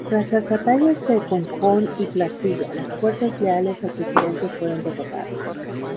Tras las batallas de Concón y Placilla, las fuerzas leales al presidente fueron derrotadas.